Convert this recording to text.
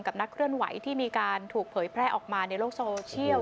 นักเคลื่อนไหวที่มีการถูกเผยแพร่ออกมาในโลกโซเชียล